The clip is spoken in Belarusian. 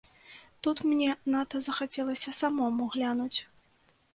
Тут мне надта захацелася самому глянуць.